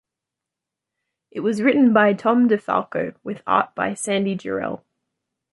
It was written by Tom DeFalco with art by Sandy Jarrell.